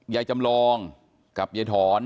ยายจำลองกับยายถอน